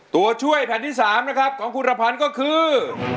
ตัวช่วยแผ่นที่๓ของครูระพันก็คือ